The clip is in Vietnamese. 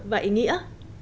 và ý nghĩa